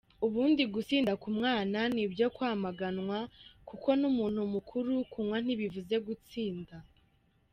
ubundi gusinda k’umwana ni ibyo kwamaganwa, kuko n’umuntu mukuru kunywa ntibivuze gusinda.